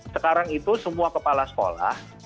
sekarang itu semua kepala sekolah